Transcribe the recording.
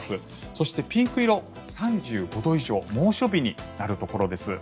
そしてピンク色、３５度以上猛暑日になるところです。